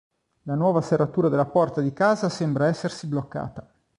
La nuova serratura della porta di casa sembra essersi bloccata.